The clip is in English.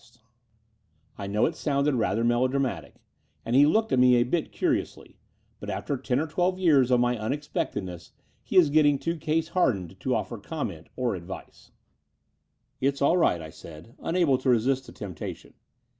Between London and Clymping 121 I know it sounded rather melodramatic, and he looked at me a bit curiously: but, after ten or twelve years of my unexpectedness, he is getting too case hardened to offer comment or advice. It's all right," I said, unable to resist the temptation.